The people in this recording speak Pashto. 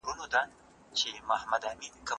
په ټولنه کي د زغم کچه ولې ټیټه سوې ده؟